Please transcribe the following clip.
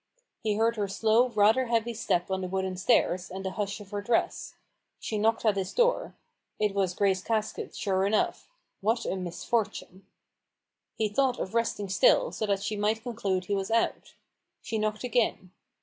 He heard her slow, rather heavy step on the wooden stairs, and the hush of her dress. She knocked at his doon It was Grace Casket, sure enough. What a misfortune 1 He thought of resting still, so that she might conclude he was out. She knocked again.